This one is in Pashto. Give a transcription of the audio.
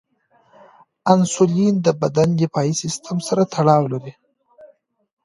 انسولین د بدن دفاعي سیستم سره تړاو لري.